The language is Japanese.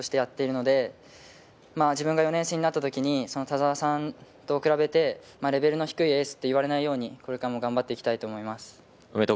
今２年生エースとして駒澤のエースとしてやっているので、自分が４年生になったときに田澤さんと比べてレベルの低いエースと言われないように頑張っていきたいと思います。